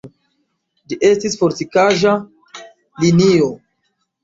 Ĝi estis fortikaĵa linio.